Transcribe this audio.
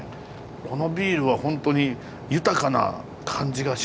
このビールはホントに豊かな感じがしますね。